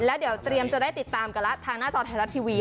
แล้วเดี๋ยวเตรียมจะได้ติดตามกันแล้วทางหน้าจอไทยรัฐทีวี